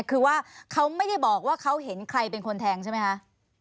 คือว่าเขาไม่ได้บอกว่าเขาเห็นใครเป็นคนแทงใช่ไหมคะ